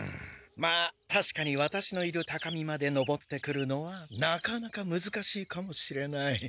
まあたしかにワタシのいる高みまで上ってくるのはなかなかむずかしいかもしれない。